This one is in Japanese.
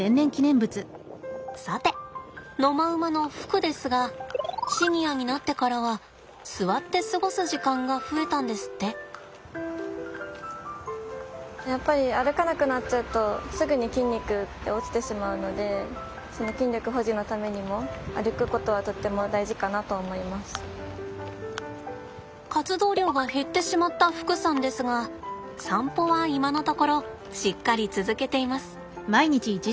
さて野間馬の福ですがシニアになってからはやっぱり歩かなくなっちゃうとすぐに筋肉って落ちてしまうので活動量が減ってしまった福さんですが散歩は今のところしっかり続けています。